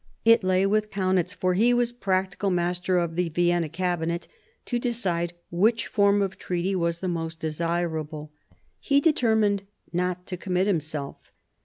It lay with Kaunitz, for he was practical master of the Vienna Cabinet, to decide which form of treaty was the most desirable. He determined not to commit himself.